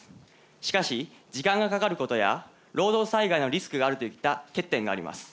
しかし時間がかかることや労働災害のリスクがあるといった欠点があります。